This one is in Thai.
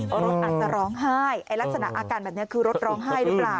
เพราะรถอาจจะร้องไห้ลักษณะอาการแบบนี้คือรถร้องไห้หรือเปล่า